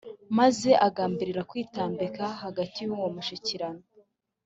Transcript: Maze agambirira kwitambika hagati y’uwo mushyikirano